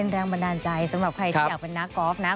แรงบันดาลใจสำหรับใครที่อยากเป็นน้ากอล์ฟนะ